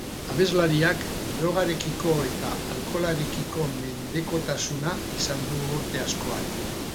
Abeslariak drogarekiko eta alkoholarekiko mendekotasuna izan du urte askoan.